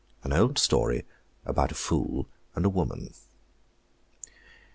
AN OLD STORY ABOUT A FOOL AND A WOMAN.